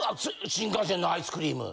新幹線のアイスクリーム。